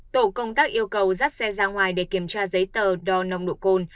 tổ công tác yêu cầu dắt xe ra ngoài để kiểm tra giấy tờ đo nồng độ cồn